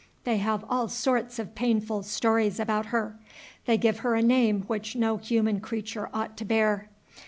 They have all sorts of painful stories about her. They give her a name which no human creature ought to bear.